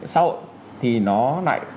xã hội thì nó lại